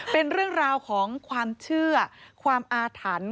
เป็นเรื่องราวของความเชื่อความอาถรรพ์